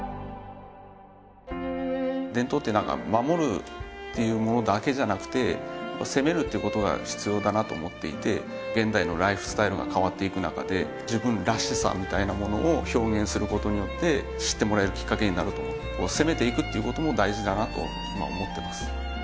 伝統って何か守るっていうものだけじゃなくて攻めるってことが必要だなと思っていて現代のライフスタイルが変わっていく中で自分らしさみたいなものを表現することによって知ってもらえるきっかけになると思って攻めていくっていうことも大事だなと今思ってます